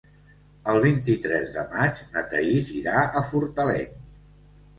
El vint-i-tres de maig na Thaís irà a Fortaleny.